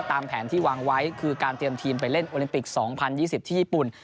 ตามแผนที่วางไว้คือการเตรียมทีมไปเล่นโอลิมปิก๒๐๒๐ที่ญี่ปุ่น